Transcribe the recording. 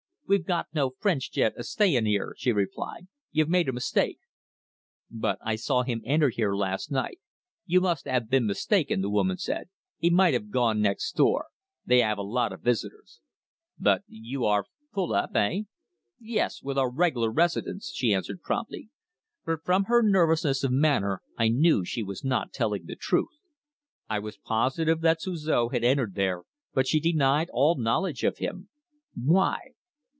"We've got no French gent a staying 'ere," she replied. "You've made a mistake." "But I saw him enter here last night." "You must 'ave been mistaken," the woman said. "'E might 'ave gone next door. They 'ave a lot of visitors." "But you are full up eh?" "Yes with our reg'lar residents," she answered promptly. But from her nervousness of manner I knew she was not telling the truth. I was positive that Suzor had entered there, but she denied all knowledge of him. Why?